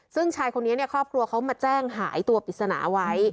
ซึ่งชายคนนี้ครอบครัวเขามาแจ้งหายตัวปริศนาไว้